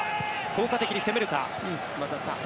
効果的に攻めるか。